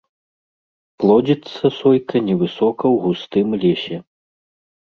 Плодзіцца сойка невысока ў густым лесе.